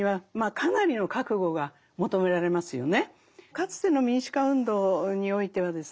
かつての民主化運動においてはですね